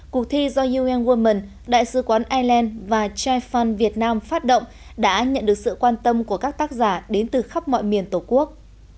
cuộc thi do un women đại sứ quán ireland và chai fun việt nam phát động đã nhận được sự quan tâm của các tác giả đến từ khắp mọi miền tổ quốc